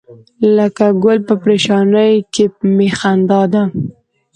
لکه ګل په پرېشانۍ کې می خندا ده.